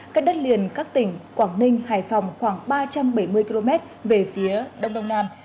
cách đất liền các tỉnh quảng ninh hải phòng khoảng ba trăm bảy mươi km về phía đông đông nam